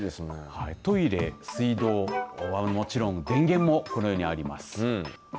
トイレ、水道はもちろん電源もこのようにあります。